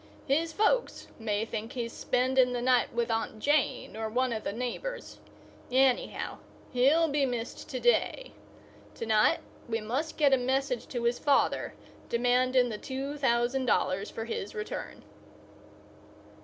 His folks may think he's spending the night with Aunt Jane or one of the neighbours. Anyhow, he'll be missed to day. To night we must get a message to his father demanding the two thousand dollars for his return."